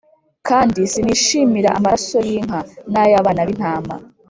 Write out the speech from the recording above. kandi sinishimira amaraso y’inka n’ay’abana b’intama